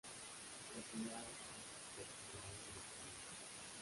La ciudad es la capital cultural de los tamiles.